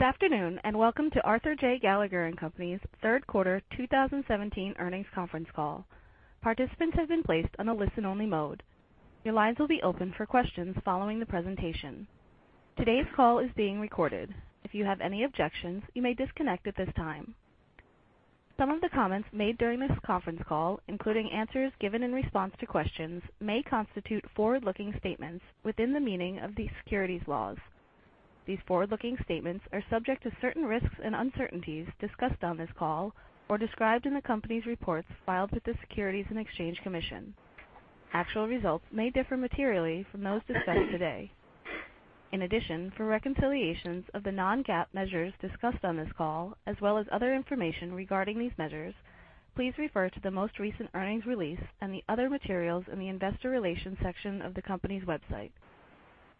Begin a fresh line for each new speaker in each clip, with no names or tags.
Good afternoon. Welcome to Arthur J. Gallagher & Company's third quarter 2017 earnings conference call. Participants have been placed on a listen-only mode. Your lines will be open for questions following the presentation. Today's call is being recorded. If you have any objections, you may disconnect at this time. Some of the comments made during this conference call, including answers given in response to questions, may constitute forward-looking statements within the meaning of the securities laws. These forward-looking statements are subject to certain risks and uncertainties discussed on this call or described in the company's reports filed with the Securities & Exchange Commission. Actual results may differ materially from those discussed today. For reconciliations of the non-GAAP measures discussed on this call, as well as other information regarding these measures, please refer to the most recent earnings release and the other materials in the investor relations section of the company's website.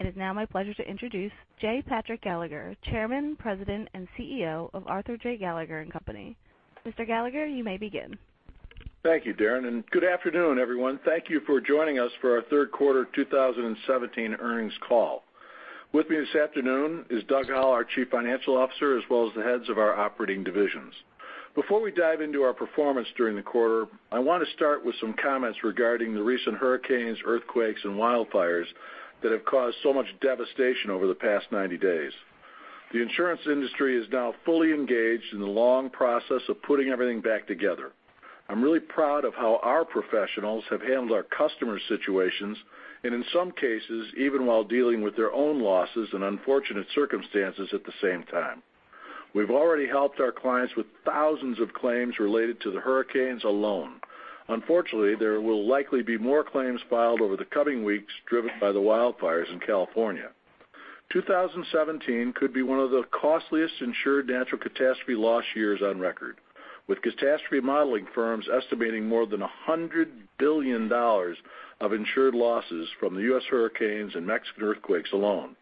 It is now my pleasure to introduce J. Patrick Gallagher, Chairman, President, and CEO of Arthur J. Gallagher & Company. Mr. Gallagher, you may begin.
Thank you, Darren. Good afternoon, everyone. Thank you for joining us for our third quarter 2017 earnings call. With me this afternoon is Doug Howell, our Chief Financial Officer, as well as the heads of our operating divisions. Before we dive into our performance during the quarter, I want to start with some comments regarding the recent hurricanes, earthquakes, and wildfires that have caused so much devastation over the past 90 days. The insurance industry is now fully engaged in the long process of putting everything back together. I'm really proud of how our professionals have handled our customers' situations and, in some cases, even while dealing with their own losses and unfortunate circumstances at the same time. We've already helped our clients with thousands of claims related to the hurricanes alone. Unfortunately, there will likely be more claims filed over the coming weeks driven by the wildfires in California. 2017 could be one of the costliest insured natural catastrophe loss years on record, with catastrophe modeling firms estimating more than $100 billion of insured losses from the U.S. hurricanes and Mexican earthquakes alone.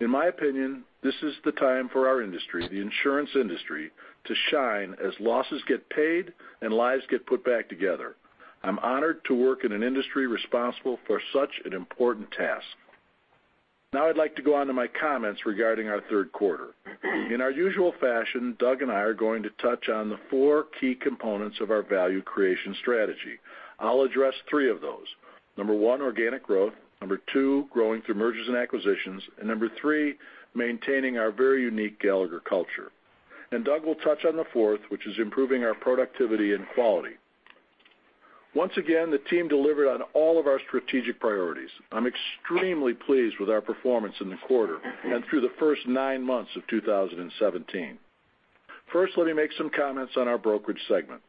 In my opinion, this is the time for our industry, the insurance industry, to shine as losses get paid and lives get put back together. I'm honored to work in an industry responsible for such an important task. I'd like to go on to my comments regarding our third quarter. In our usual fashion, Doug and I are going to touch on the four key components of our value creation strategy. I'll address three of those. Number 1, organic growth. Number 2, growing through mergers and acquisitions. Number 3, maintaining our very unique Gallagher culture. Doug will touch on the fourth, which is improving our productivity and quality. Once again, the team delivered on all of our strategic priorities. I'm extremely pleased with our performance in the quarter and through the first nine months of 2017. First, let me make some comments on our brokerage segment.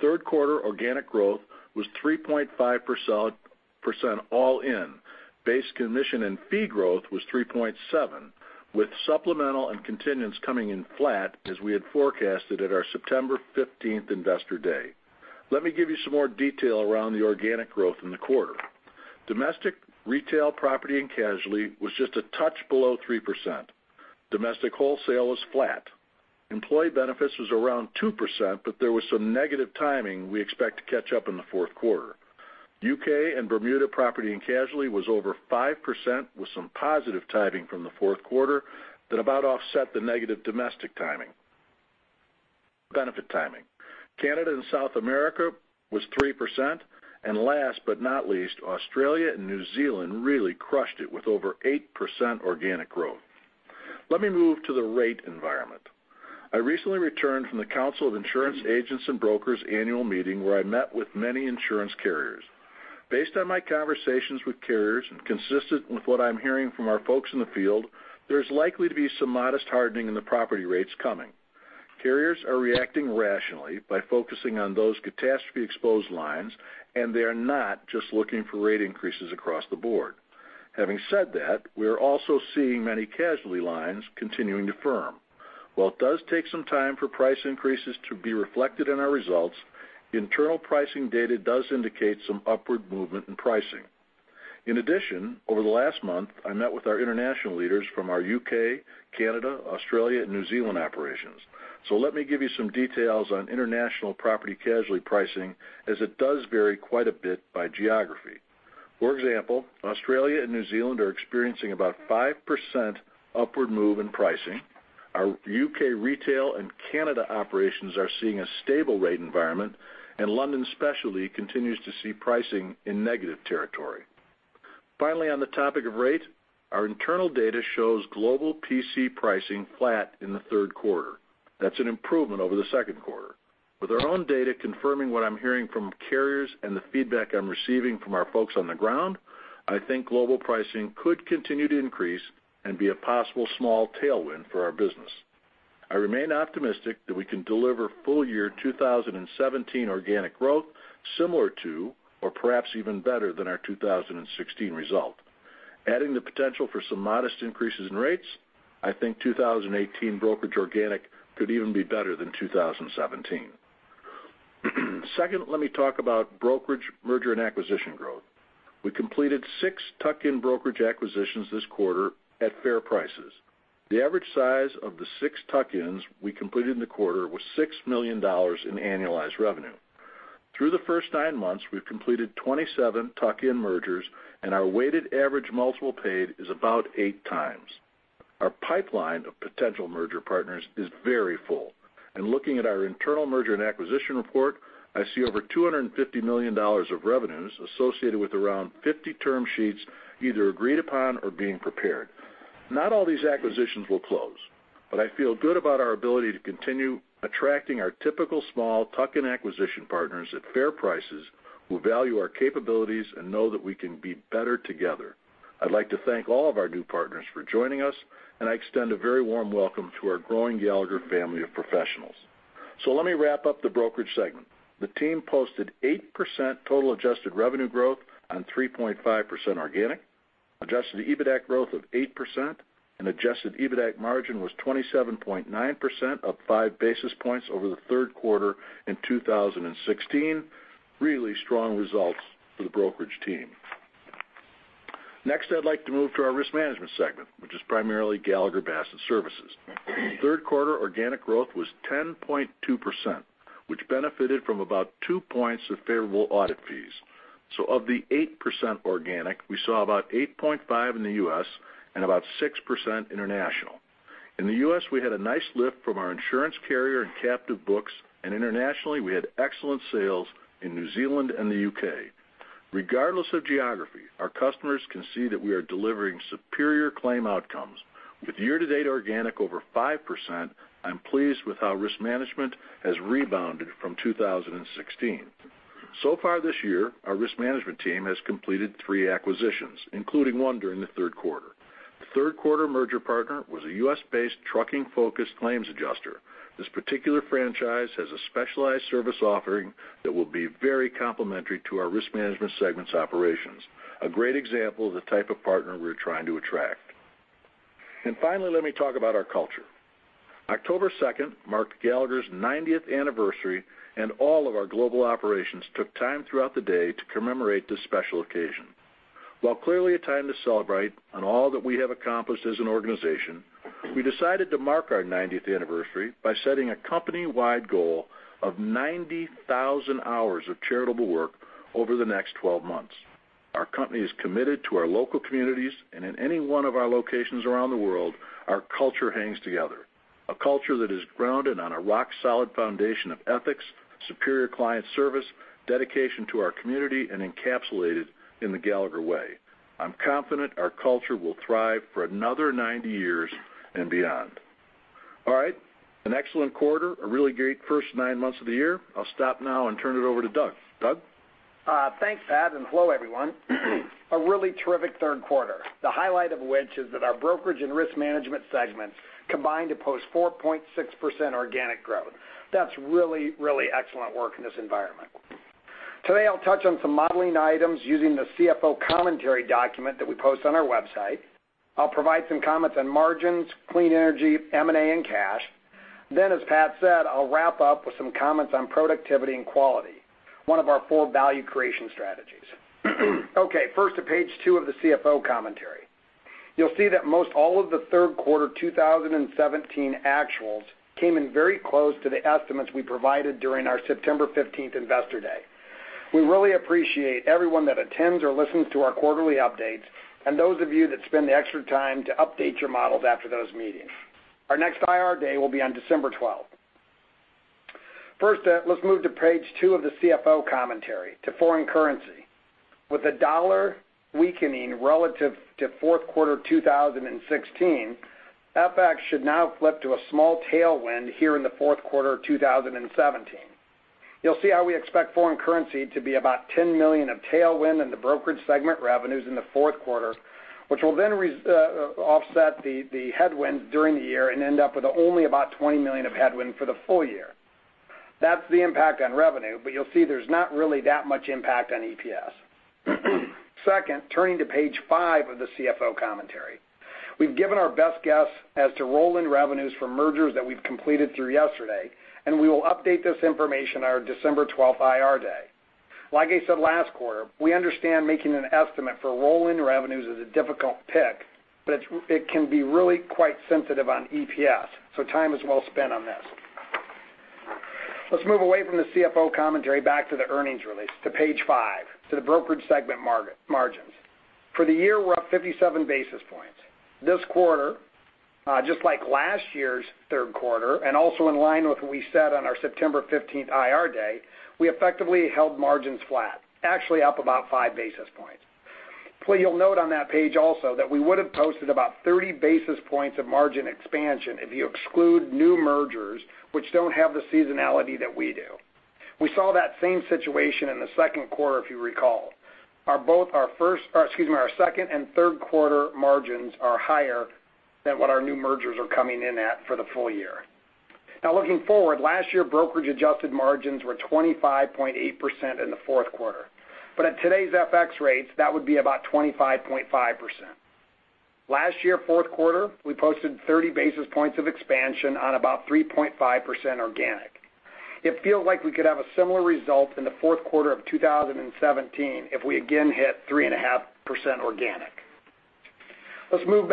Third quarter organic growth was 3.5% all in. Base commission and fee growth was 3.7%, with supplemental and contingent coming in flat as we had forecasted at our September 15th investor day. Let me give you some more detail around the organic growth in the quarter. Domestic retail property and casualty was just a touch below 3%. Domestic wholesale was flat. Employee benefits was around 2%, but there was some negative timing we expect to catch up in the fourth quarter. U.K. and Bermuda property and casualty was over 5%, with some positive timing from the fourth quarter that about offset the negative domestic timing. Benefit timing. Canada and South America was 3%. Last but not least, Australia and New Zealand really crushed it with over 8% organic growth. Let me move to the rate environment. I recently returned from The Council of Insurance Agents & Brokers annual meeting, where I met with many insurance carriers. Based on my conversations with carriers and consistent with what I'm hearing from our folks in the field, there's likely to be some modest hardening in the property rates coming. Carriers are reacting rationally by focusing on those catastrophe-exposed lines, and they are not just looking for rate increases across the board. Having said that, we are also seeing many casualty lines continuing to firm. While it does take some time for price increases to be reflected in our results, internal pricing data does indicate some upward movement in pricing. In addition, over the last month, I met with our international leaders from our U.K., Canada, Australia, and New Zealand operations. Let me give you some details on international property casualty pricing, as it does vary quite a bit by geography. For example, Australia and New Zealand are experiencing about 5% upward move in pricing. Our U.K. retail and Canada operations are seeing a stable rate environment, and London specialty continues to see pricing in negative territory. Finally, on the topic of rate, our internal data shows global PC pricing flat in the third quarter. That's an improvement over the second quarter. With our own data confirming what I'm hearing from carriers and the feedback I'm receiving from our folks on the ground, I think global pricing could continue to increase and be a possible small tailwind for our business. I remain optimistic that we can deliver full year 2017 organic growth similar to or perhaps even better than our 2016 result. Adding the potential for some modest increases in rates, I think 2018 brokerage organic could even be better than 2017. Second, let me talk about brokerage merger and acquisition growth. We completed six tuck-in brokerage acquisitions this quarter at fair prices. The average size of the six tuck-ins we completed in the quarter was $6 million in annualized revenue. Through the first nine months, we've completed 27 tuck-in mergers, and our weighted average multiple paid is about eight times. Our pipeline of potential merger partners is very full. Looking at our internal merger and acquisition report, I see over $250 million of revenues associated with around 50 term sheets either agreed upon or being prepared. Not all these acquisitions will close, but I feel good about our ability to continue attracting our typical small tuck-in acquisition partners at fair prices who value our capabilities and know that we can be better together. I'd like to thank all of our new partners for joining us, and I extend a very warm welcome to our growing Gallagher family of professionals. Let me wrap up the Brokerage segment. The team posted 8% total adjusted revenue growth on 3.5% organic. Adjusted EBITDA growth of 8%, and adjusted EBITDA margin was 27.9%, up five basis points over the third quarter in 2016. Really strong results for the Brokerage team. Next, I'd like to move to our Risk Management segment, which is primarily Gallagher Bassett Services. Third quarter organic growth was 10.2%, which benefited from about two points of favorable audit fees. Of the 8% organic, we saw about 8.5 in the U.S. and about 6% international. In the U.S., we had a nice lift from our insurance carrier and captive books, and internationally, we had excellent sales in New Zealand and the U.K. Regardless of geography, our customers can see that we are delivering superior claim outcomes. With year-to-date organic over 5%, I'm pleased with how Risk Management has rebounded from 2016. Far this year, our Risk Management team has completed three acquisitions, including one during the third quarter. The third quarter merger partner was a U.S.-based trucking-focused claims adjuster. This particular franchise has a specialized service offering that will be very complementary to our Risk Management segment's operations. A great example of the type of partner we're trying to attract. Finally, let me talk about our culture. October 2nd marked Gallagher's 90th anniversary, and all of our global operations took time throughout the day to commemorate this special occasion. While clearly a time to celebrate on all that we have accomplished as an organization, we decided to mark our 90th anniversary by setting a company-wide goal of 90,000 hours of charitable work over the next 12 months. Our company is committed to our local communities, and in any one of our locations around the world, our culture hangs together. A culture that is grounded on a rock-solid foundation of ethics, superior client service, dedication to our community, and encapsulated in the Gallagher Way. I'm confident our culture will thrive for another 90 years and beyond. All right, an excellent quarter, a really great first nine months of the year. I'll stop now and turn it over to Doug. Doug?
Thanks, Pat. Hello, everyone. A really terrific third quarter, the highlight of which is that our Brokerage and Risk Management segments combined to post 4.6% organic growth. That is really, really excellent work in this environment. Today, I will touch on some modeling items using the CFO commentary document that we post on our website. I will provide some comments on margins, clean energy, M&A, and cash. As Pat said, I will wrap up with some comments on productivity and quality, one of our four value creation strategies. First to page two of the CFO commentary. You will see that most all of the third quarter 2017 actuals came in very close to the estimates we provided during our September 15th Investor Day. We really appreciate everyone that attends or listens to our quarterly updates, and those of you that spend the extra time to update your models after those meetings. Our next IR day will be on December 12th. Let's move to page two of the CFO commentary, to foreign currency. With the dollar weakening relative to fourth quarter 2016, FX should now flip to a small tailwind here in the fourth quarter 2017. You will see how we expect foreign currency to be about $10 million of tailwind in the Brokerage segment revenues in the fourth quarter, which will offset the headwind during the year and end up with only about $20 million of headwind for the full year. That is the impact on revenue, you will see there is not really that much impact on EPS. Turning to page five of the CFO commentary. We have given our best guess as to roll-in revenues for mergers that we have completed through yesterday, and we will update this information on our December 12th IR day. Like I said last quarter, we understand making an estimate for roll-in revenues is a difficult pick, it can be really quite sensitive on EPS, time is well spent on this. Let's move away from the CFO commentary back to the earnings release to page five, to the Brokerage segment margins. For the year, we are up 57 basis points. This quarter, just like last year's third quarter, also in line with what we said on our September 15th IR day, we effectively held margins flat, actually up about five basis points. You will note on that page also that we would have posted about 30 basis points of margin expansion if you exclude new mergers which do not have the seasonality that we do. We saw that same situation in the second quarter, if you recall. Our second and third quarter margins are higher than what our new mergers are coming in at for the full year. Looking forward, last year Brokerage adjusted margins were 25.8% in the fourth quarter. At today's FX rates, that would be about 25.5%. Last year, fourth quarter, we posted 30 basis points of expansion on about 3.5% organic. It feels like we could have a similar result in the fourth quarter of 2017 if we again hit 3.5% organic. Let's move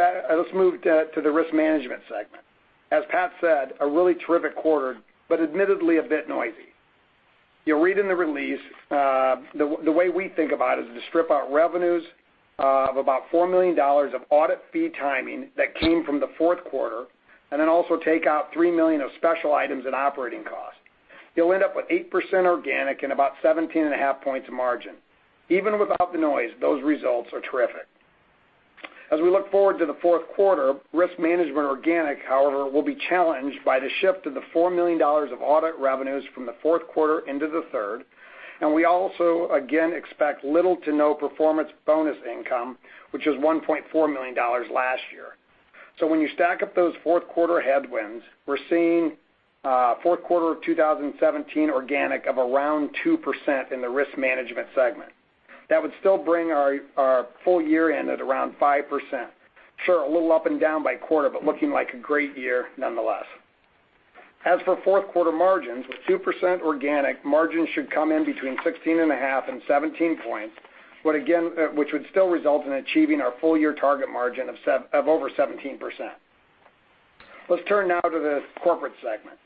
to the Risk Management segment. As Pat said, a really terrific quarter, admittedly a bit noisy. You will read in the release, the way we think about it is to strip out revenues of about $4 million of audit fee timing that came from the fourth quarter, also take out $3 million of special items and operating costs. You'll end up with 8% organic and about 17.5 points margin. Even without the noise, those results are terrific. As we look forward to the fourth quarter, risk management organic, however, will be challenged by the shift of the $4 million of audit revenues from the fourth quarter into the third. We also, again, expect little to no performance bonus income, which was $1.4 million last year. When you stack up those fourth quarter headwinds, we're seeing fourth quarter of 2017 organic of around 2% in the risk management segment. That would still bring our full year in at around 5%. Sure, a little up and down by quarter, but looking like a great year nonetheless. As for fourth quarter margins, with 2% organic, margins should come in between 16.5 and 17 points, which would still result in achieving our full-year target margin of over 17%. Let's turn now to the corporate segment.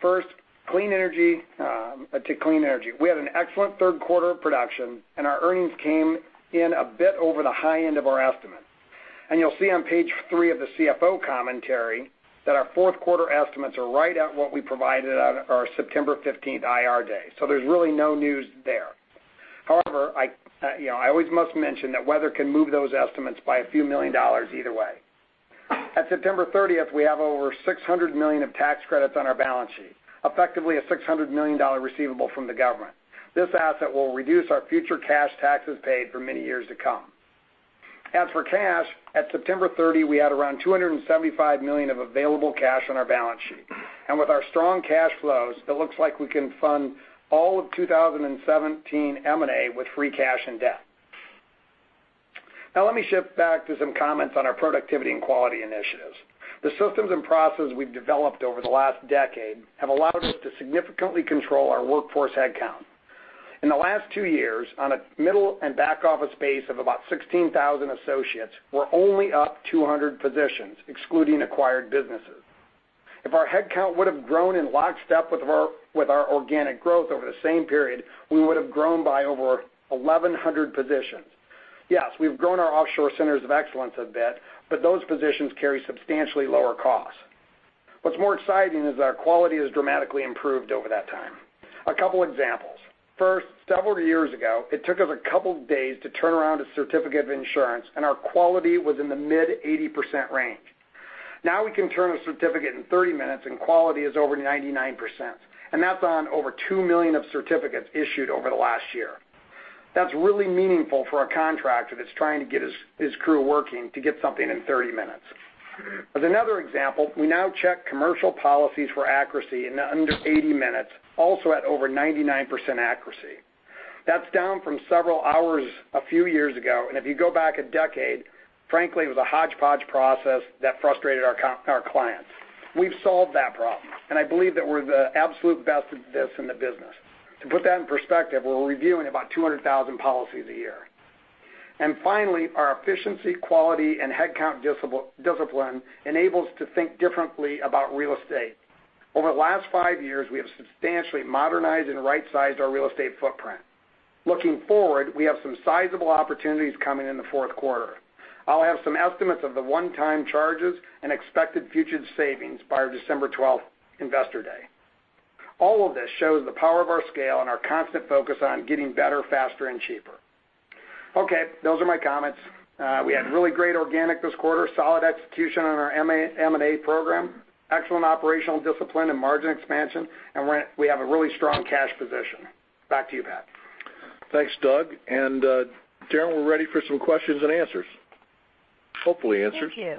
First, to clean energy. We had an excellent third quarter of production, our earnings came in a bit over the high end of our estimate. You'll see on page three of the CFO commentary that our fourth quarter estimates are right at what we provided on our September 15th IR day. There's really no news there. However, I always must mention that weather can move those estimates by a few million dollars either way. At September 30th, we have over $600 million of tax credits on our balance sheet, effectively a $600 million receivable from the government. This asset will reduce our future cash taxes paid for many years to come. As for cash, at September 30, we had around $275 million of available cash on our balance sheet. With our strong cash flows, it looks like we can fund all of 2017 M&A with free cash and debt. Now let me shift back to some comments on our productivity and quality initiatives. The systems and processes we've developed over the last decade have allowed us to significantly control our workforce headcount. In the last two years, on a middle and back office base of about 16,000 associates, we're only up 200 positions, excluding acquired businesses. If our headcount would have grown in lockstep with our organic growth over the same period, we would have grown by over 1,100 positions. Yes, we've grown our offshore centers of excellence a bit, but those positions carry substantially lower costs. What's more exciting is our quality has dramatically improved over that time. A couple examples. First, several years ago, it took us a couple days to turn around a certificate of insurance, our quality was in the mid 80% range. Now we can turn a certificate in 30 minutes, quality is over 99%, that's on over 2 million of certificates issued over the last year. That's really meaningful for a contractor that's trying to get his crew working to get something in 30 minutes. As another example, we now check commercial policies for accuracy in under 80 minutes, also at over 99% accuracy. That's down from several hours a few years ago, if you go back a decade, frankly, it was a hodgepodge process that frustrated our clients. We've solved that problem, I believe that we're the absolute best at this in the business. To put that in perspective, we're reviewing about 200,000 policies a year. Finally, our efficiency, quality, and headcount discipline enables to think differently about real estate. Over the last five years, we have substantially modernized and right-sized our real estate footprint. Looking forward, we have some sizable opportunities coming in the fourth quarter. I'll have some estimates of the one-time charges and expected future savings by our December 12th investor day. All of this shows the power of our scale and our constant focus on getting better, faster, and cheaper. Those are my comments. We had really great organic this quarter, solid execution on our M&A program, excellent operational discipline and margin expansion, we have a really strong cash position. Back to you, Pat.
Thanks, Doug. Darren, we're ready for some questions and answers. Hopefully answers.
Thank you.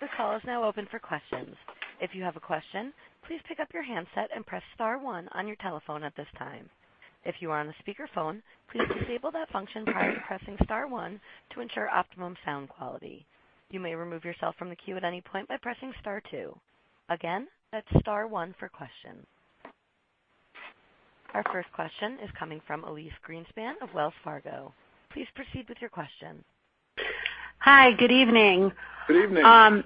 This call is now open for questions. If you have a question, please pick up your handset and press star one on your telephone at this time. If you are on a speakerphone, please disable that function prior to pressing star one to ensure optimum sound quality. You may remove yourself from the queue at any point by pressing star two. Again, that's star one for questions. Our first question is coming from Elyse Greenspan of Wells Fargo. Please proceed with your question.
Hi, good evening.
Good evening.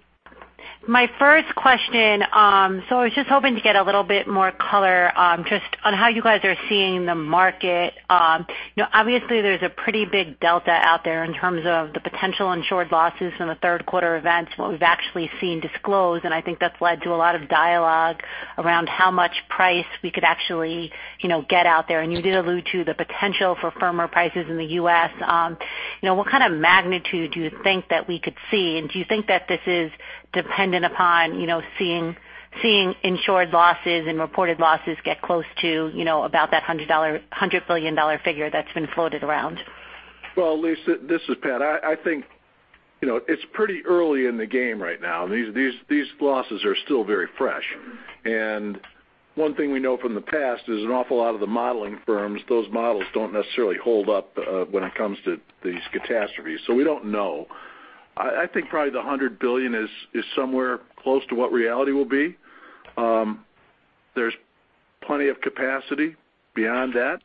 My first question, I was just hoping to get a little bit more color just on how you guys are seeing the market. Obviously, there's a pretty big delta out there in terms of the potential insured losses from the third quarter events, what we've actually seen disclosed, and I think that's led to a lot of dialogue around how much price we could actually get out there. You did allude to the potential for firmer prices in the U.S. What kind of magnitude do you think that we could see? Do you think that this is dependent upon seeing insured losses and reported losses get close to about that $100 billion figure that's been floated around?
Well, Elyse, this is Pat. I think it's pretty early in the game right now. These losses are still very fresh. One thing we know from the past is an awful lot of the modeling firms, those models don't necessarily hold up when it comes to these catastrophes. We don't know. I think probably the $100 billion is somewhere close to what reality will be. There's plenty of capacity beyond that.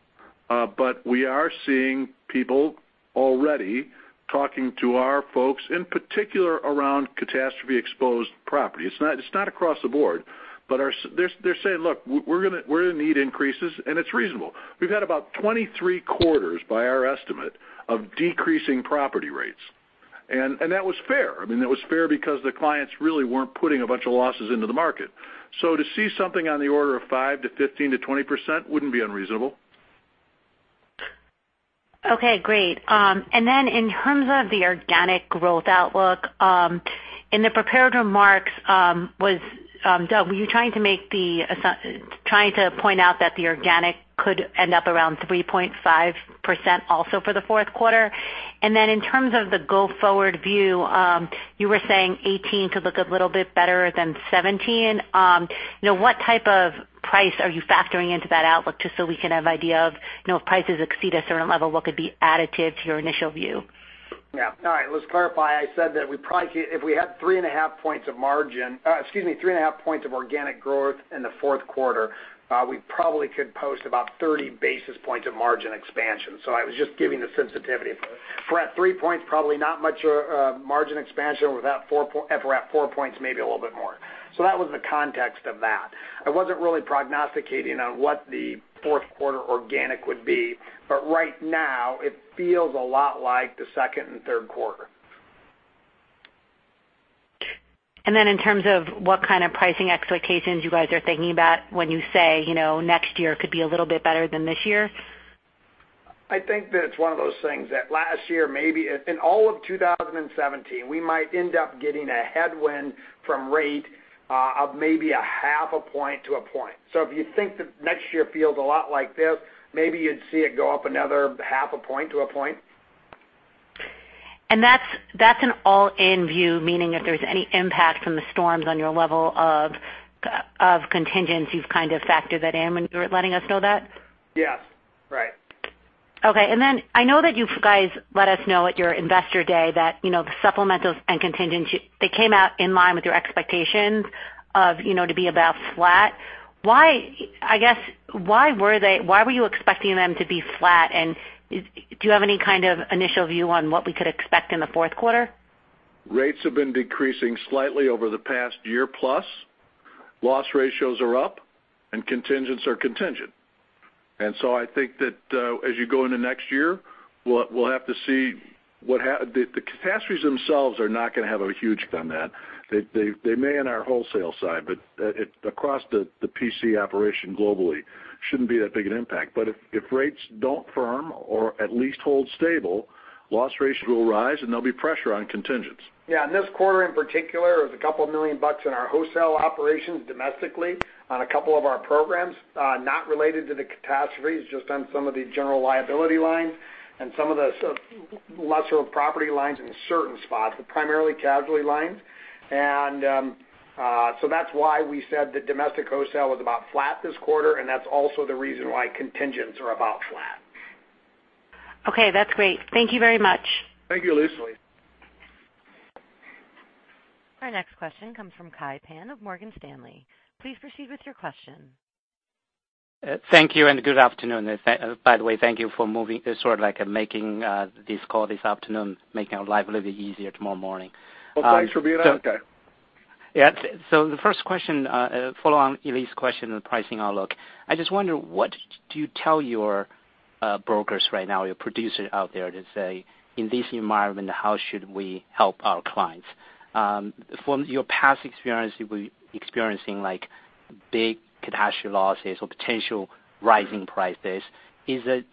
We are seeing people already talking to our folks, in particular, around catastrophe-exposed property. It's not across the board, but they're saying, "Look, we're going to need increases," and it's reasonable. We've had about 23 quarters, by our estimate, of decreasing property rates. That was fair. It was fair because the clients really weren't putting a bunch of losses into the market. To see something on the order of 5% to 15% to 20% wouldn't be unreasonable.
Okay, great. In terms of the organic growth outlook, in the prepared remarks, were you trying to point out that the organic could end up around 3.5% also for the fourth quarter? In terms of the go-forward view, you were saying 2018 could look a little bit better than 2017. What type of price are you factoring into that outlook, just so we can have idea of if prices exceed a certain level, what could be additive to your initial view?
Yeah. All right. Let's clarify. I said that if we had three and a half points of organic growth in the fourth quarter, we probably could post about 30 basis points of margin expansion. I was just giving the sensitivity. If we're at three points, probably not much margin expansion. If we're at four points, maybe a little bit more. That was the context of that. I wasn't really prognosticating on what the fourth quarter organic would be, but right now it feels a lot like the second and third quarter.
In terms of what kind of pricing expectations you guys are thinking about when you say, next year could be a little bit better than this year?
I think that it's one of those things that last year, maybe in all of 2017, we might end up getting a headwind from rate of maybe a half a point to a point. If you think that next year feels a lot like this, maybe you'd see it go up another half a point to a point.
That's an all-in view, meaning if there's any impact from the storms on your level of contingents, you've kind of factored that in when you were letting us know that?
Yes. Right.
I know that you guys let us know at your investor day that the supplementals and contingency, they came out in line with your expectations of to be about flat. I guess why were you expecting them to be flat, and do you have any kind of initial view on what we could expect in the fourth quarter?
Rates have been decreasing slightly over the past year plus. Loss ratios are up and contingents are contingent. I think that as you go into next year, we'll have to see what the catastrophes themselves are not going to have a huge effect on that. They may in our wholesale side, but across the PC operation globally, shouldn't be that big an impact. If rates don't firm or at least hold stable, loss ratios will rise, and there'll be pressure on contingents.
Yeah, in this quarter in particular, it was a couple of million dollars in our wholesale operations domestically on a couple of our programs, not related to the catastrophes, just on some of the general liability lines and some of the lesser property lines in certain spots, but primarily casualty lines. That's why we said that domestic wholesale was about flat this quarter, and that's also the reason why contingents are about flat.
Okay, that's great. Thank you very much.
Thank you, Elyse.
Our next question comes from Kai Pan of Morgan Stanley. Please proceed with your question.
Thank you and good afternoon. By the way, thank you for making this call this afternoon, making our life a little bit easier tomorrow morning.
Well, thanks for being on, Kai.
Yeah. The first question, follow on Elyse question on pricing outlook. I just wonder, what do you tell your brokers right now, your producers out there to say, in this environment, how should we help our clients? From your past experience, you were experiencing big catastrophe losses or potential rising prices. Is the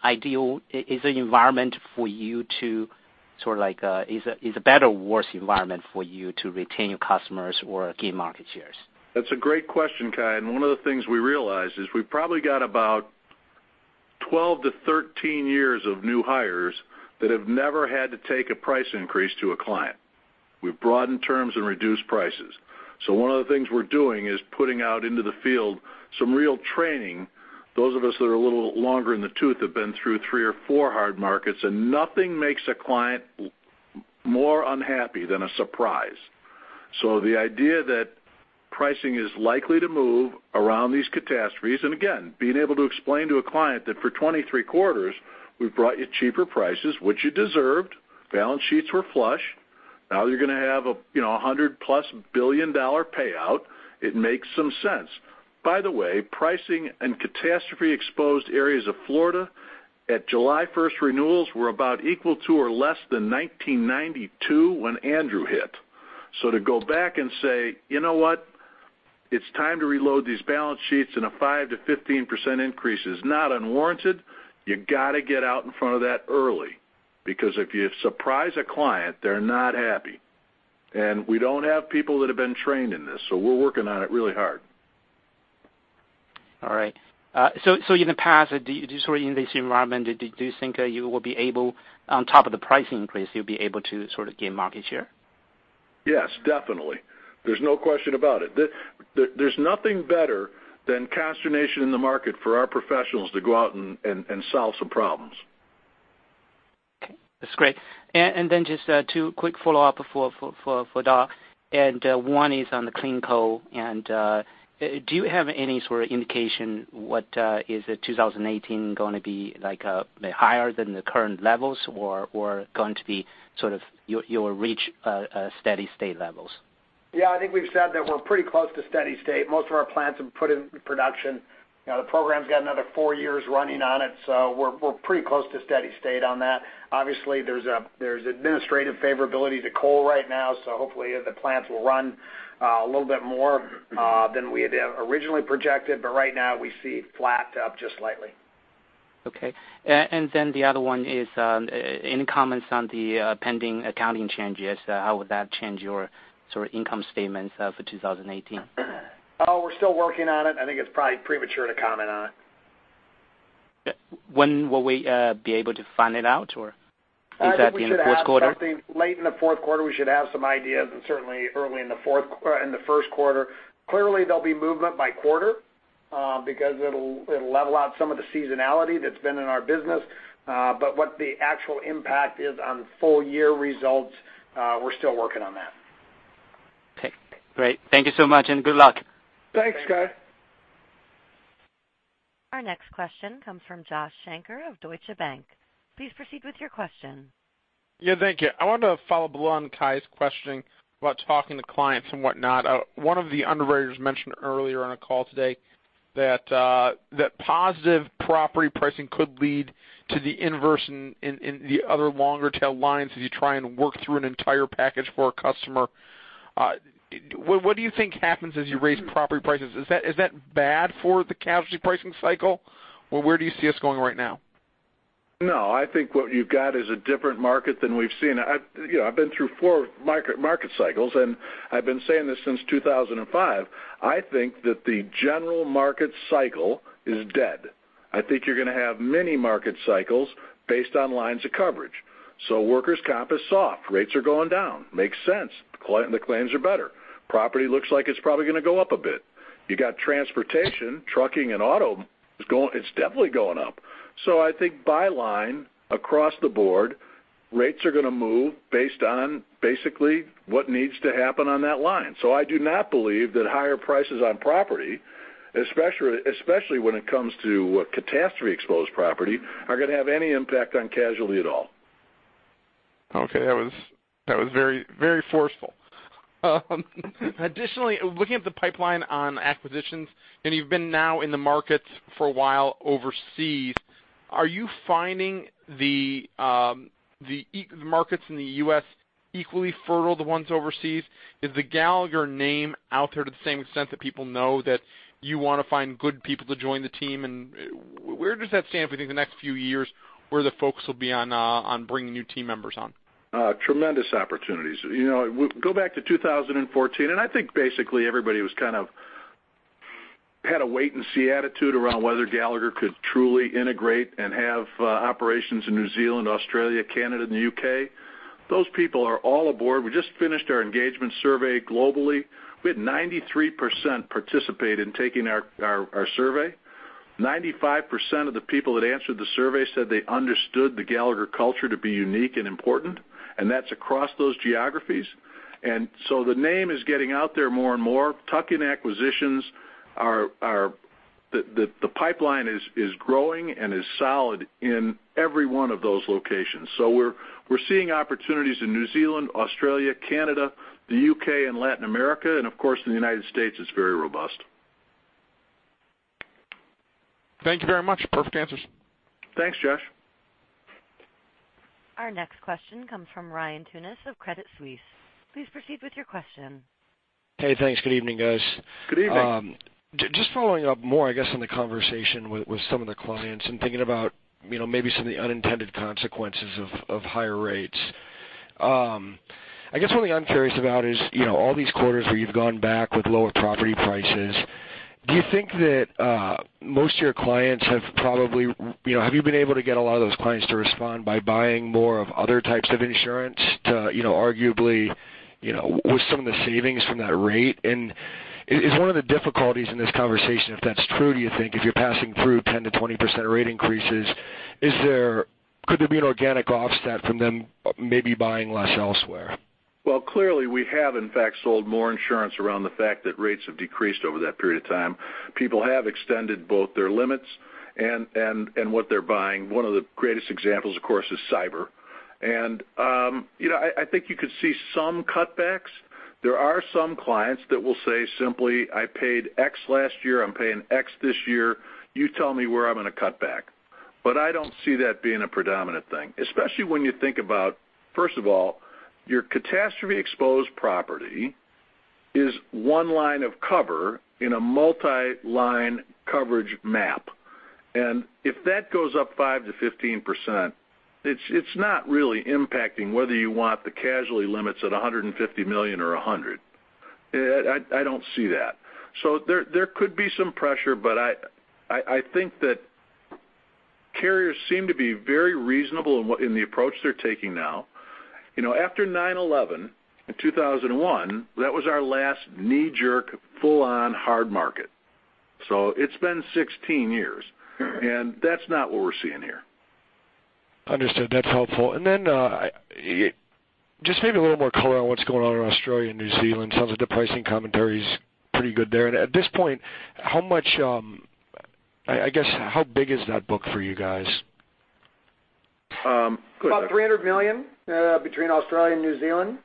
environment for you to sort of like a better or worse environment for you to retain your customers or gain market shares?
That's a great question, Kai, and one of the things we realized is we've probably got about 12 to 13 years of new hires that have never had to take a price increase to a client. We've broadened terms and reduced prices. One of the things we're doing is putting out into the field some real training. Those of us that are a little longer in the tooth have been through three or four hard markets, and nothing makes a client more unhappy than a surprise. The idea that pricing is likely to move around these catastrophes, and again, being able to explain to a client that for 23 quarters, we've brought you cheaper prices, which you deserved. Balance sheets were flush. Now you're going to have a $100-plus billion payout. It makes some sense. By the way, pricing and catastrophe exposed areas of Florida at July 1st renewals were about equal to or less than 1992 when Andrew hit. To go back and say, "You know what? It's time to reload these balance sheets in a 5%-15% increase" is not unwarranted. You got to get out in front of that early, because if you surprise a client, they're not happy. We don't have people that have been trained in this, so we're working on it really hard.
All right. In the past, in this environment, do you think you will be able, on top of the price increase, you'll be able to sort of gain market share?
Yes, definitely. There's no question about it. There's nothing better than consternation in the market for our professionals to go out and solve some problems.
That's great. Then just two quick follow-up for Doc, one is on the clean coal. Do you have any sort of indication what is the 2018 going to be like, higher than the current levels or going to be sort of you'll reach steady state levels?
Yeah, I think we've said that we're pretty close to steady state. Most of our plants have put in production. The program's got another four years running on it, we're pretty close to steady state on that. Obviously, there's administrative favorability to coal right now, hopefully the plants will run a little bit more than we had originally projected. Right now, we see flat to up just slightly.
Okay. The other one is any comments on the pending accounting changes, how would that change your sort of income statements for 2018?
We're still working on it. I think it's probably premature to comment on it.
When will we be able to find it out, is that the end of fourth quarter?
I think we should have something late in the fourth quarter. We should have some ideas, and certainly early in the first quarter. Clearly, there'll be movement by quarter, because it'll level out some of the seasonality that's been in our business. What the actual impact is on full year results, we're still working on that.
Okay, great. Thank you so much, and good luck.
Thanks, Kai.
Our next question comes from Joshua Shanker of Deutsche Bank. Please proceed with your question.
Yeah, thank you. I wanted to follow up a little on Kai's questioning about talking to clients and whatnot. One of the underwriters mentioned earlier on a call today that positive property pricing could lead to the inverse in the other longer tail lines as you try and work through an entire package for a customer. What do you think happens as you raise property prices? Is that bad for the casualty pricing cycle, or where do you see us going right now?
I think what you've got is a different market than we've seen. I've been through four market cycles, and I've been saying this since 2005, I think that the general market cycle is dead. I think you're going to have mini market cycles based on lines of coverage. Workers' comp is soft. Rates are going down. Makes sense. The claims are better. Property looks like it's probably going to go up a bit. You got transportation, trucking and auto, it's definitely going up. I think by line across the board, rates are going to move based on basically what needs to happen on that line. I do not believe that higher prices on property, especially when it comes to catastrophe-exposed property, are going to have any impact on casualty at all.
Okay. That was very forceful. Additionally, looking at the pipeline on acquisitions, and you've been now in the markets for a while overseas, are you finding the markets in the U.S. equally fertile to ones overseas? Is the Gallagher name out there to the same extent that people know that you want to find good people to join the team? Where does that stand within the next few years where the focus will be on bringing new team members on?
Tremendous opportunities. Go back to 2014, I think basically everybody had a wait and see attitude around whether Gallagher could truly integrate and have operations in New Zealand, Australia, Canada, and the U.K. Those people are all aboard. We just finished our engagement survey globally. We had 93% participate in taking our survey. 95% of the people that answered the survey said they understood the Gallagher culture to be unique and important, and that's across those geographies. The name is getting out there more and more. Tuck-in acquisitions, the pipeline is growing and is solid in every one of those locations. We're seeing opportunities in New Zealand, Australia, Canada, the U.K., and Latin America, and of course, in the United States it's very robust.
Thank you very much. Perfect answers.
Thanks, Josh.
Our next question comes from Ryan Tunis of Credit Suisse. Please proceed with your question.
Hey, thanks. Good evening, guys.
Good evening.
Just following up more, I guess, on the conversation with some of the clients and thinking about maybe some of the unintended consequences of higher rates. I guess one thing I'm curious about is all these quarters where you've gone back with lower property prices, do you think that most of your clients have been able to get a lot of those clients to respond by buying more of other types of insurance to arguably with some of the savings from that rate? Is one of the difficulties in this conversation, if that's true, do you think if you're passing through 10%-20% rate increases, could there be an organic offset from them maybe buying less elsewhere?
Well, clearly, we have in fact sold more insurance around the fact that rates have decreased over that period of time. People have extended both their limits and what they're buying. One of the greatest examples, of course, is cyber. I think you could see some cutbacks. There are some clients that will say simply, "I paid X last year. I'm paying X this year. You tell me where I'm going to cut back." I don't see that being a predominant thing, especially when you think about, first of all, your catastrophe-exposed property is one line of cover in a multi-line coverage map. If that goes up 5%-15%, it's not really impacting whether you want the casualty limits at $150 million or $100 million. I don't see that. There could be some pressure, I think that carriers seem to be very reasonable in the approach they're taking now. After 9/11 in 2001, that was our last knee-jerk, full-on hard market. It's been 16 years, that's not what we're seeing here.
Understood. That's helpful. Just maybe a little more color on what's going on in Australia and New Zealand. Sounds like the pricing commentary's pretty good there. At this point, I guess, how big is that book for you guys?
About $300 million between Australia and New Zealand.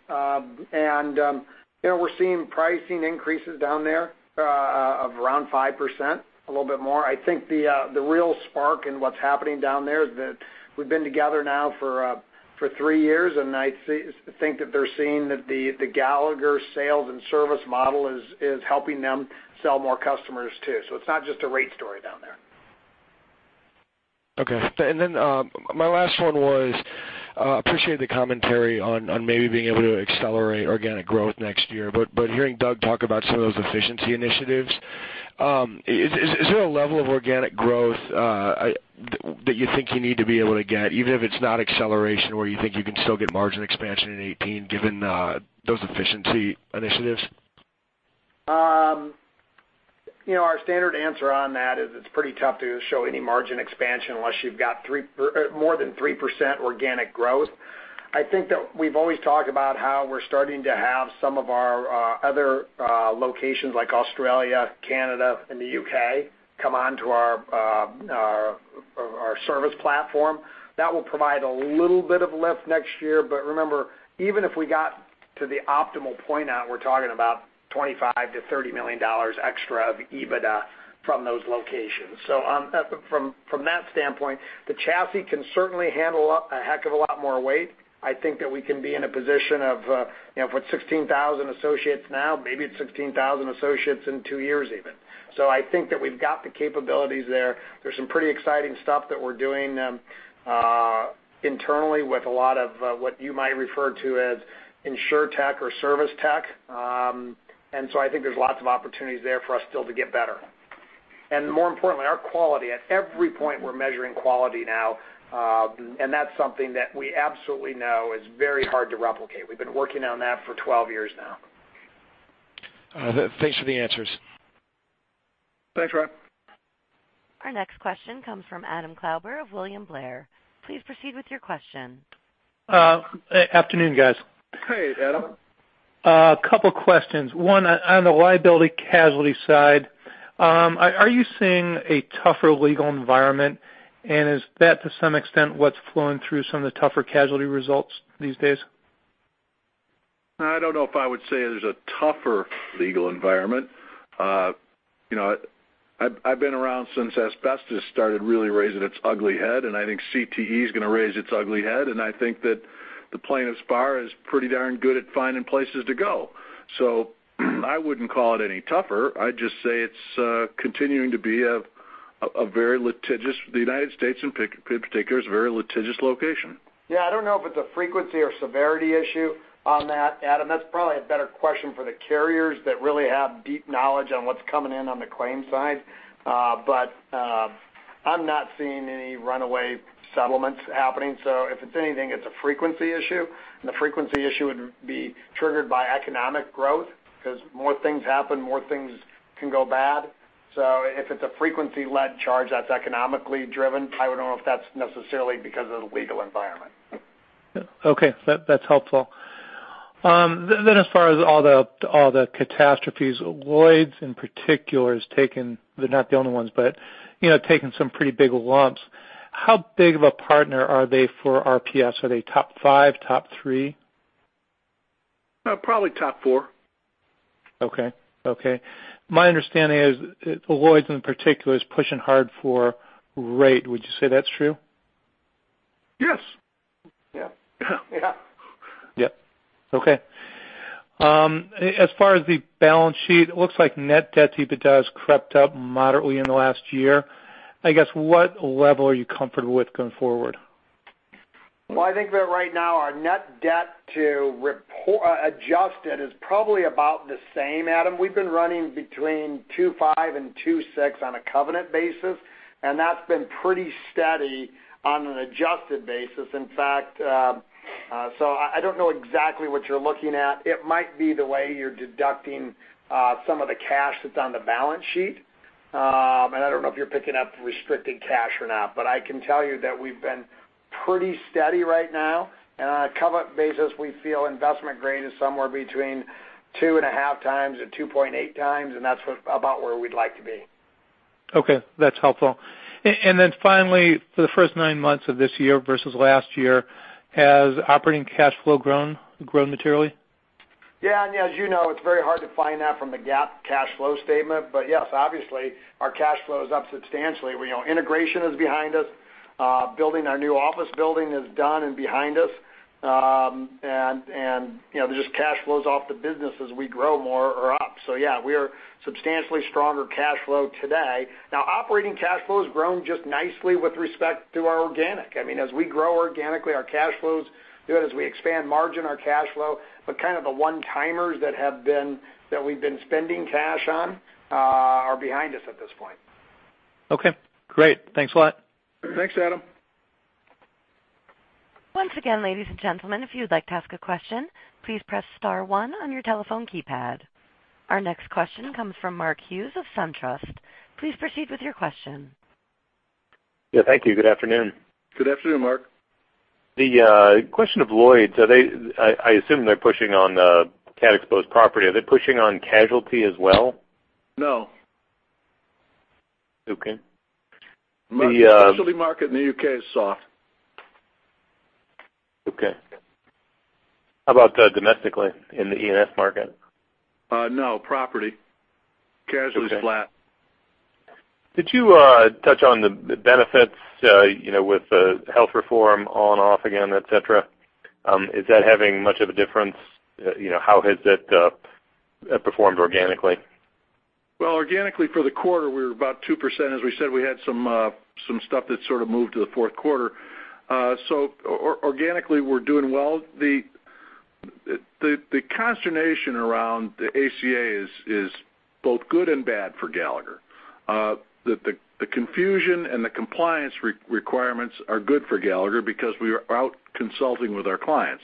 We're seeing pricing increases down there of around 5%, a little bit more. I think the real spark in what's happening down there is that we've been together now for three years, I think that they're seeing that the Gallagher sales and service model is helping them sell more customers too. It's not just a rate story down there.
Okay. My last one was, appreciate the commentary on maybe being able to accelerate organic growth next year, hearing Doug talk about some of those efficiency initiatives, is there a level of organic growth that you think you need to be able to get, even if it's not acceleration, where you think you can still get margin expansion in 2018 given those efficiency initiatives?
Our standard answer on that is it's pretty tough to show any margin expansion unless you've got more than 3% organic growth. I think that we've always talked about how we're starting to have some of our other locations like Australia, Canada, and the U.K. come onto our service platform. That will provide a little bit of lift next year. Remember, even if we got to the optimal point out, we're talking about $25 million to $30 million extra of EBITDA from those locations. From that standpoint, the chassis can certainly handle a heck of a lot more weight. I think that we can be in a position of, if we're at 16,000 associates now, maybe it's 16,000 associates in two years even. I think that we've got the capabilities there. There's some pretty exciting stuff that we're doing internally with a lot of what you might refer to as Insurtech or service tech. I think there's lots of opportunities there for us still to get better. More importantly, our quality. At every point, we're measuring quality now. That's something that we absolutely know is very hard to replicate. We've been working on that for 12 years now.
Thanks for the answers.
Thanks, Ryan.
Our next question comes from Adam Klauber of William Blair. Please proceed with your question.
Afternoon, guys.
Hey, Adam.
A couple questions. One, on the liability casualty side, are you seeing a tougher legal environment? Is that, to some extent, what's flowing through some of the tougher casualty results these days?
I don't know if I would say there's a tougher legal environment. I've been around since asbestos started really raising its ugly head, and I think CTE is going to raise its ugly head, and I think that the plaintiff's bar is pretty darn good at finding places to go. I wouldn't call it any tougher. I'd just say it's continuing to be a very litigious, the U.S., in particular, is a very litigious location.
Yeah, I don't know if it's a frequency or severity issue on that, Adam. That's probably a better question for the carriers that really have deep knowledge on what's coming in on the claims side. I'm not seeing any runaway settlements happening. If it's anything, it's a frequency issue, and the frequency issue would be triggered by economic growth because more things happen, more things can go bad. If it's a frequency-led charge that's economically driven, I wouldn't know if that's necessarily because of the legal environment.
Okay. That's helpful. As far as all the catastrophes, Lloyd's in particular, they're not the only ones, but taking some pretty big lumps. How big of a partner are they for RPS? Are they top five, top three?
Probably top four.
Okay. My understanding is Lloyd's in particular is pushing hard for rate. Would you say that's true?
Yes.
Yeah.
Yeah.
Yep. Okay. As far as the balance sheet, it looks like net debt to EBITDA has crept up moderately in the last year. I guess what level are you comfortable with going forward?
Well, I think that right now our net debt to adjusted is probably about the same, Adam. We've been running between 2.5 and 2.6 on a covenant basis, and that's been pretty steady on an adjusted basis. In fact, I don't know exactly what you're looking at. It might be the way you're deducting some of the cash that's on the balance sheet. I don't know if you're picking up restricted cash or not, but I can tell you that we've been pretty steady right now. On a covenant basis, we feel investment grade is somewhere between 2.5 times and 2.8 times, and that's about where we'd like to be.
Okay. That's helpful. Finally, for the first nine months of this year versus last year, has operating cash flow grown materially?
Yeah. As you know, it's very hard to find that from the GAAP cash flow statement. Yes, obviously, our cash flow is up substantially. Integration is behind us. Building our new office building is done and behind us. Just cash flows off the business as we grow more are up. Yeah, we are substantially stronger cash flow today. Now operating cash flow has grown just nicely with respect to our organic. As we grow organically, our cash flows do it. As we expand margin, our cash flow, but kind of the one-timers that we've been spending cash on are behind us at this point.
Okay, great. Thanks a lot.
Thanks, Adam.
Once again, ladies and gentlemen, if you'd like to ask a question, please press star one on your telephone keypad. Our next question comes from Mark Hughes of SunTrust. Please proceed with your question.
Yeah. Thank you. Good afternoon.
Good afternoon, Mark.
The question of Lloyd's, I assume they're pushing on cat exposed property. Are they pushing on casualty as well?
No.
Okay.
Mark, the specialty market in the U.K. is soft.
Okay. How about domestically in the E&S market?
No, property.
Okay.
Casualty's flat.
Did you touch on the benefits, with the health reform on/off again, et cetera? Is that having much of a difference? How has that performed organically?
Organically for the quarter, we were about 2%. As we said, we had some stuff that sort of moved to the fourth quarter. Organically, we're doing well. The consternation around the ACA is both good and bad for Gallagher. The confusion and the compliance requirements are good for Gallagher because we are out consulting with our clients.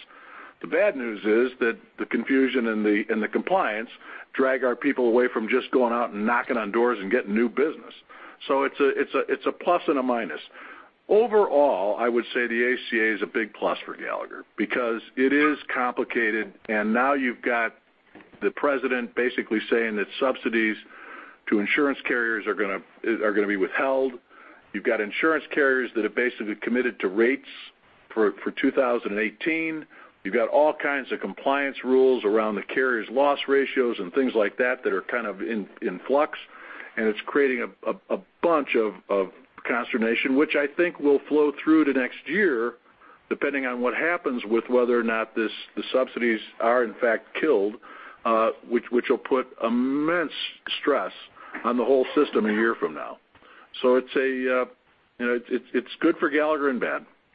The bad news is that the confusion and the compliance drag our people away from just going out and knocking on doors and getting new business. It's a plus and a minus. Overall, I would say the ACA is a big plus for Gallagher because it is complicated, and now you've got the president basically saying that subsidies to insurance carriers are going to be withheld. You've got insurance carriers that have basically committed to rates for 2018. You've got all kinds of compliance rules around the carrier's loss ratios and things like that that are kind of in flux, and it's creating a bunch of consternation, which I think will flow through to next year depending on what happens with whether or not the subsidies are in fact killed, which will put immense stress on the whole system a year from now. It's good for Gallagher and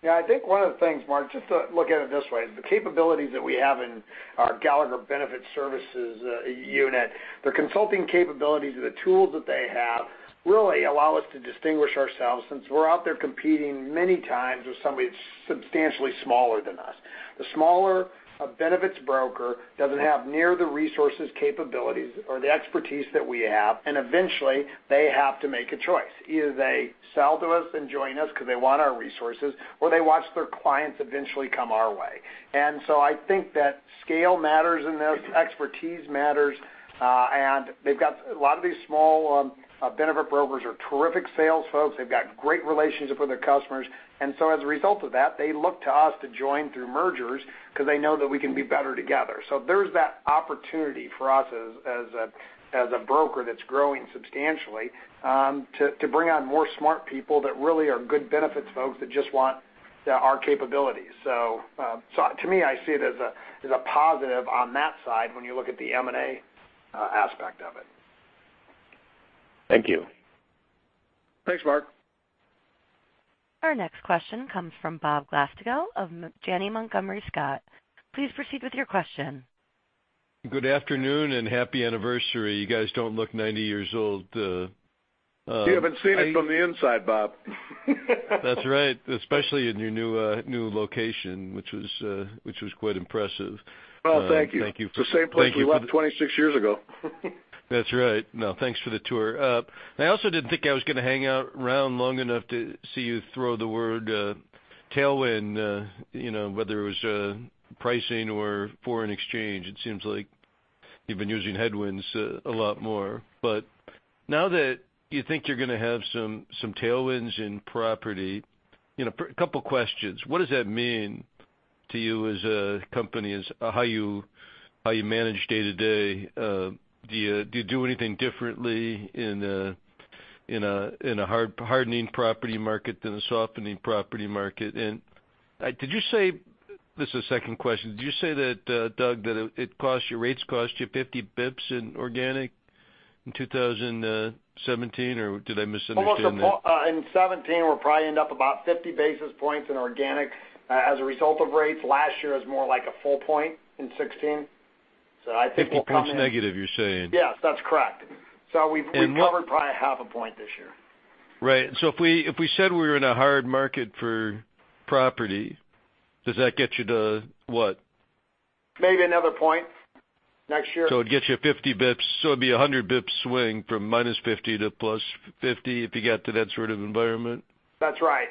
bad.
I think one of the things, Mark, just to look at it this way, the capabilities that we have in our Gallagher Benefit Services unit, the consulting capabilities or the tools that they have really allow us to distinguish ourselves since we're out there competing many times with somebody that's substantially smaller than us. The smaller benefits broker doesn't have near the resources, capabilities, or the expertise that we have, and eventually they have to make a choice. Either they sell to us and join us because they want our resources, or they watch their clients eventually come our way. I think that scale matters in this, expertise matters. A lot of these small benefit brokers are terrific sales folks. They've got great relationships with their customers. As a result of that, they look to us to join through mergers because they know that we can be better together. There's that opportunity for us as a broker that's growing substantially, to bring on more smart people that really are good benefits folks that just want our capabilities. To me, I see it as a positive on that side when you look at the M&A aspect of it.
Thank you.
Thanks, Mark.
Our next question comes from Bob Glasspiegel of Janney Montgomery Scott. Please proceed with your question.
Good afternoon and happy anniversary. You guys don't look 90 years old.
You haven't seen us from the inside, Bob.
That's right. Especially in your new location, which was quite impressive.
Well, thank you.
Thank you for-
It's the same place we left 26 years ago.
That's right. No, thanks for the tour. I also didn't think I was going to hang around long enough to see you throw the word tailwind, whether it was pricing or foreign exchange. It seems like you've been using headwinds a lot more. Now that you think you're going to have some tailwinds in property, a couple questions. What does that mean to you as a company, as how you manage day to day? Do you do anything differently in a hardening property market than a softening property market? Did you say, this is the second question, did you say that, Doug, that rates cost you 50 basis points in organic in 2017, or did I misunderstand that?
In 2017, we'll probably end up about 50 basis points in organic, as a result of rates. Last year was more like a full point in 2016. I think we'll come in.
50 points negative, you're saying?
Yes, that's correct. We've recovered probably half a point this year.
Right. If we said we were in a hard market for property, does that get you to what?
Maybe another point next year.
It'd get you 50 bps. It'd be 100 bps swing from minus 50 to plus 50 if you get to that sort of environment?
That's right.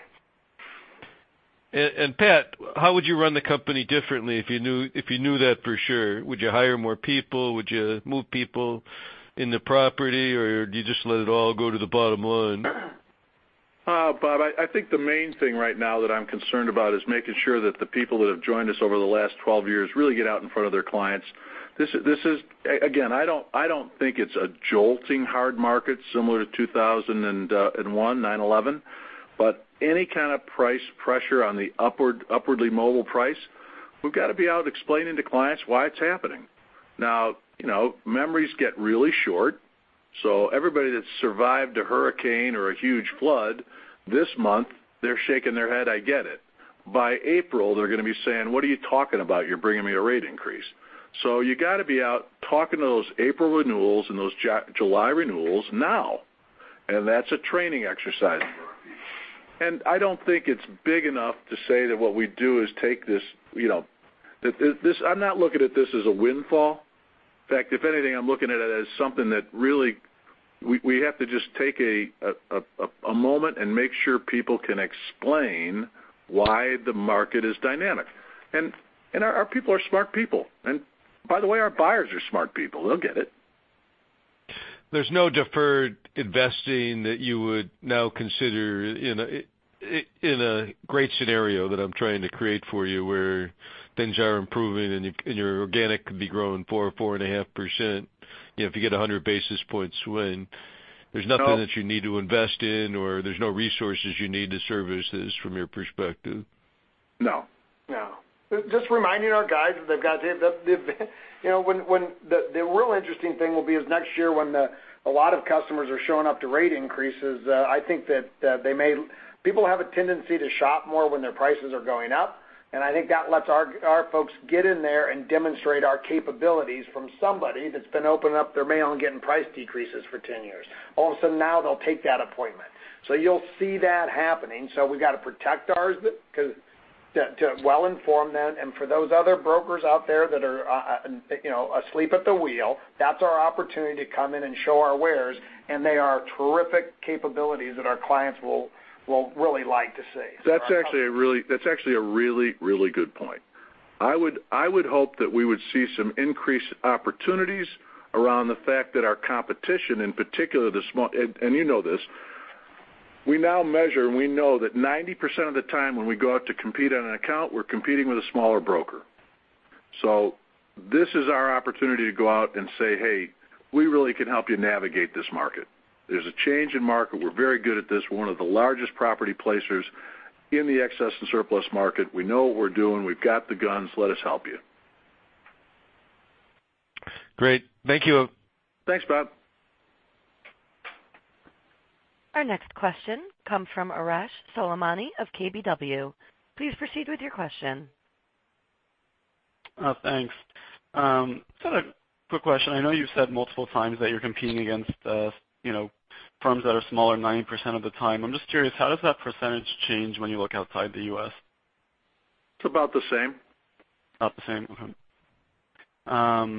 Pat, how would you run the company differently if you knew that for sure? Would you hire more people? Would you move people in the property, or do you just let it all go to the bottom line?
Bob, I think the main thing right now that I'm concerned about is making sure that the people that have joined us over the last 12 years really get out in front of their clients. Again, I don't think it's a jolting hard market similar to 2001, 9/11, but any kind of price pressure on the upwardly mobile price, we've got to be out explaining to clients why it's happening. Memories get really short. Everybody that survived a hurricane or a huge flood this month, they're shaking their head, I get it. By April, they're going to be saying, "What are you talking about, you're bringing me a rate increase?" You got to be out talking to those April renewals and those July renewals now. That's a training exercise. I don't think it's big enough to say that what we do is take this. I'm not looking at this as a windfall. In fact, if anything, I'm looking at it as something that really we have to just take a moment and make sure people can explain why the market is dynamic. Our people are smart people. By the way, our buyers are smart people. They'll get it.
There's no deferred investing that you would now consider in a great scenario that I'm trying to create for you where things are improving and your organic could be growing 4%, 4.5%, if you get 100 basis points win. There's nothing that you need to invest in or there's no resources you need to service this from your perspective?
No.
No. The real interesting thing will be is next year when a lot of customers are showing up to rate increases. I think that people have a tendency to shop more when their prices are going up, and I think that lets our folks get in there and demonstrate our capabilities from somebody that's been opening up their mail and getting price decreases for 10 years. All of a sudden now they'll take that appointment. You'll see that happening. We got to protect ours to well inform them. For those other brokers out there that are asleep at the wheel, that's our opportunity to come in and show our wares, and they are terrific capabilities that our clients will really like to see.
That's actually a really good point. I would hope that we would see some increased opportunities around the fact that our competition in particular, and you know this, we now measure and we know that 90% of the time when we go out to compete on an account, we're competing with a smaller broker. This is our opportunity to go out and say, "Hey, we really can help you navigate this market. There's a change in market. We're very good at this. We're one of the largest property placers in the excess and surplus market. We know what we're doing. We've got the guns. Let us help you.
Great. Thank you.
Thanks, Bob.
Our next question comes from Arash Soleimani of KBW. Please proceed with your question.
Thanks. Just had a quick question. I know you've said multiple times that you're competing against firms that are smaller 90% of the time. I'm just curious, how does that percentage change when you look outside the U.S.?
It's about the same.
About the same. Okay.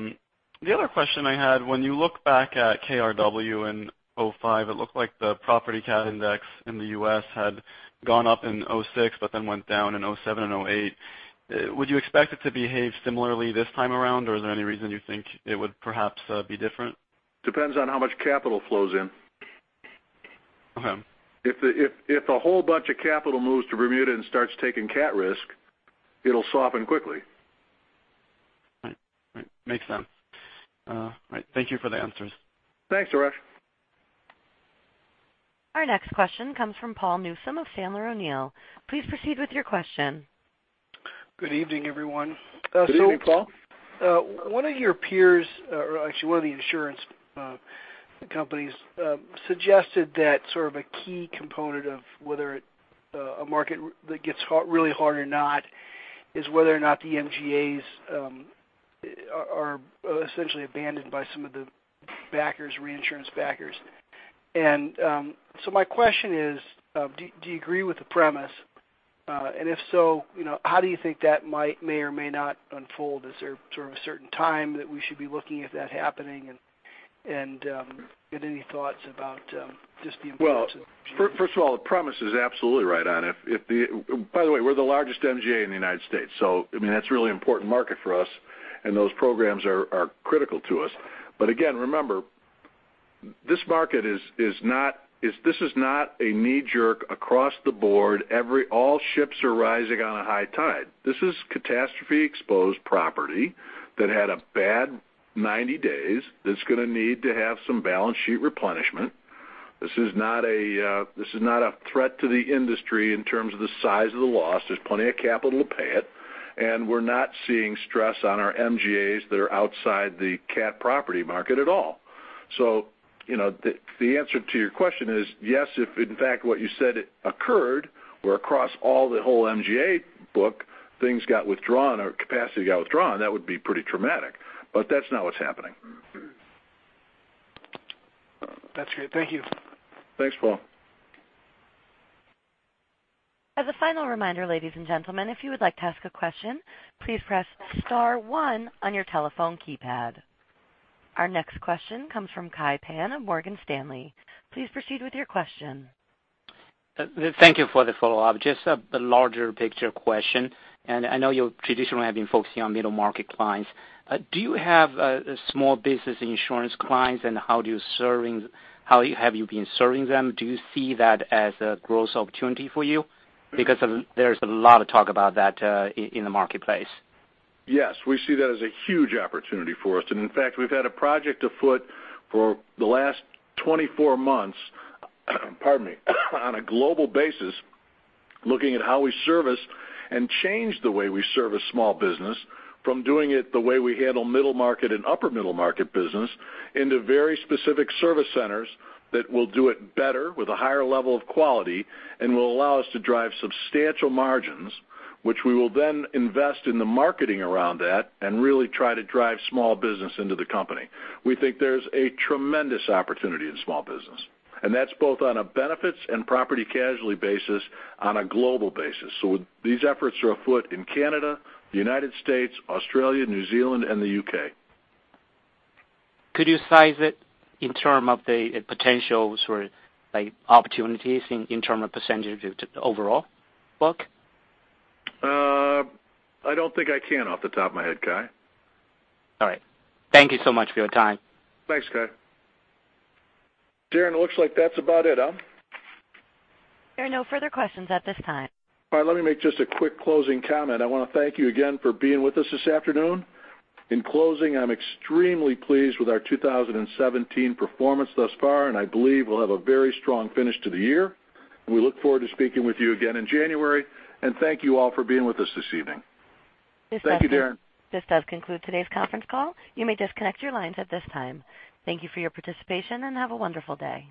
The other question I had, when you look back at KRW in 2005, it looked like the property cat index in the U.S. had gone up in 2006, but then went down in 2007 and 2008. Would you expect it to behave similarly this time around, or is there any reason you think it would perhaps be different?
Depends on how much capital flows in.
Okay.
If a whole bunch of capital moves to Bermuda and starts taking cat risk, it'll soften quickly.
Right. Makes sense. All right. Thank you for the answers.
Thanks, Arash.
Our next question comes from Paul Newsome of Sandler O'Neill. Please proceed with your question.
Good evening, everyone.
Good evening, Paul.
One of your peers, or actually one of the insurance companies, suggested that sort of a key component of whether a market that gets really hard or not is whether or not the MGAs are essentially abandoned by some of the reinsurance backers. My question is, do you agree with the premise? If so, how do you think that might, may or may not unfold? Is there sort of a certain time that we should be looking at that happening and get any thoughts about just the importance of MGAs?
Well, first of all, the premise is absolutely right on. By the way, we're the largest MGA in the U.S., so that's a really important market for us, and those programs are critical to us. Again, remember, this is not a knee-jerk across the board, all ships are rising on a high tide. This is catastrophe-exposed property that had a bad 90 days, that's going to need to have some balance sheet replenishment. This is not a threat to the industry in terms of the size of the loss. There's plenty of capital to pay it, and we're not seeing stress on our MGAs that are outside the cat property market at all. The answer to your question is, yes, if in fact what you said occurred, where across all the whole MGA book things got withdrawn or capacity got withdrawn, that would be pretty traumatic, but that's not what's happening.
That's great. Thank you.
Thanks, Paul.
As a final reminder, ladies and gentlemen, if you would like to ask a question, please press star one on your telephone keypad. Our next question comes from Kai Pan of Morgan Stanley. Please proceed with your question.
Thank you for the follow-up. Just a larger picture question. I know you traditionally have been focusing on middle-market clients. Do you have small business insurance clients, and how have you been serving them? Do you see that as a growth opportunity for you? There's a lot of talk about that in the marketplace.
Yes, we see that as a huge opportunity for us. In fact, we've had a project afoot for the last 24 months, pardon me, on a global basis, looking at how we service and change the way we service small business from doing it the way we handle middle market and upper middle market business into very specific service centers that will do it better with a higher level of quality and will allow us to drive substantial margins, which we will then invest in the marketing around that and really try to drive small business into the company. We think there's a tremendous opportunity in small business, and that's both on a benefits and property casualty basis on a global basis. These efforts are afoot in Canada, the United States, Australia, New Zealand, and the U.K.
Could you size it in terms of the potential sort of like opportunities in terms of percentage of overall book?
I don't think I can off the top of my head, Kai.
All right. Thank you so much for your time.
Thanks, Kai. Darren, it looks like that's about it, huh?
There are no further questions at this time.
All right. Let me make just a quick closing comment. I want to thank you again for being with us this afternoon. In closing, I am extremely pleased with our 2017 performance thus far, and I believe we will have a very strong finish to the year. We look forward to speaking with you again in January, and thank you all for being with us this evening. Thank you, Darren.
This does conclude today's conference call. You may disconnect your lines at this time. Thank you for your participation, and have a wonderful day.